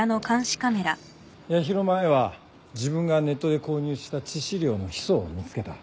八尋舞は自分がネットで購入した致死量のヒ素を見つけた。